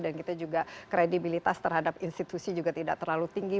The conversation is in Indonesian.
dan kita juga kredibilitas terhadap institusi juga tidak terlalu tinggi